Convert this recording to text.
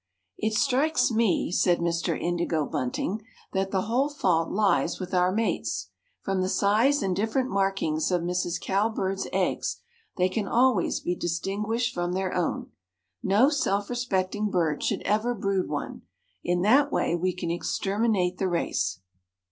"It strikes me," said Mr. Indigo Bunting, "that the whole fault lies with our mates. From the size and different markings of Mrs. Cowbird's eggs they can always be distinguished from their own. No self respecting bird should ever brood one; in that way we can exterminate the race."